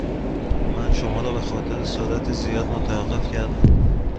من شما را به خاطر سرعت زیاد متوقف کردم.